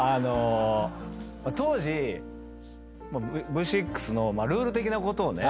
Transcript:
当時Ｖ６のルール的なことをね